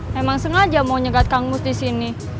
memang sengaja mau nyegat kang bus di sini